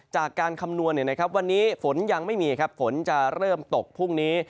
จากการคำนวณวันนี้ฝนยังไม่มีฝนจะเริ่มตกพรุ่งนี้